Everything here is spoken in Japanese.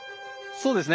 そうですね。